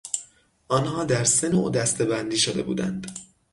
آنها درسه نوع دسته بندی شده بودند.